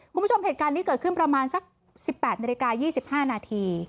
คุณผู้ชมเหตุการณ์นี้เกิดขึ้นประมาณสัก๑๘นาฬิกา๒๕นาที